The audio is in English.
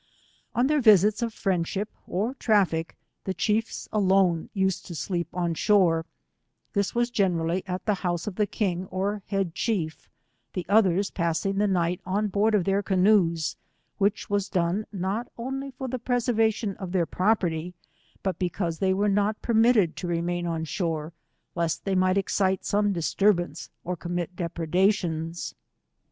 98 On their visits of friendship or traffic, the chiefs alone used to sleep on shore, this was generally at the house of the king or the head chief, the others passing the night on board of their canoes, which was done not only for the preservation of their property, but because they were not permitted to remain ©n shore, lest they might excite some dis fturbance or commit depredations.